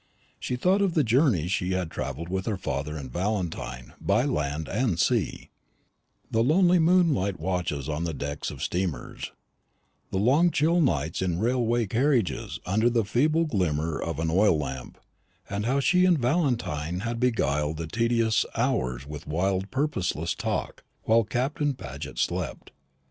She thought of the journeys she had travelled with her father and Valentine by land and sea; the lonely moonlight watches on the decks of steamers; the long chill nights in railway carriages under the feeble glimmer of an oil lamp, and how she and Valentine had beguiled the tedious hours with wild purposeless talk while Captain Paget slept.